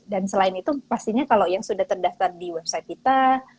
dan selain itu pastinya kalau yang sudah terdaftar di website kita